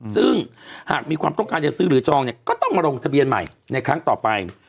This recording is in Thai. ซึ่งหากมีความต้องการจะซื้อหรือจองเนี่ยก็ต้องมาลงทะเบียนใหม่ในครั้งต่อไป